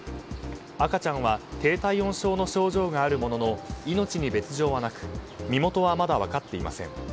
赤ちゃんは低体温症の症状があるものの命に別条はなく身元はまだ分かっていません。